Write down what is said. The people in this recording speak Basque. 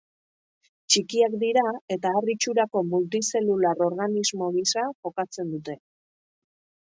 Txikiak dira eta ar itxurako multi-zelular organismo gisa jokatzen dute.